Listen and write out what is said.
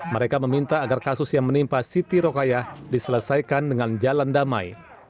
mereka meminta agar kasus yang menimpa siti rokayah diselesaikan dengan jalan damai